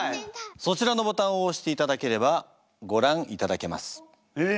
そちらのボタンを押していただければご覧いただけます。え！